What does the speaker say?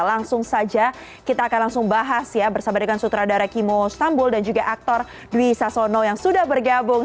langsung saja kita akan langsung bahas ya bersama dengan sutradara kimo stambul dan juga aktor dwi sasono yang sudah bergabung